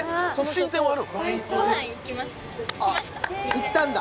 行ったんだ。